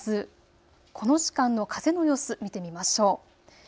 この時間の風の様子を見てみましょう。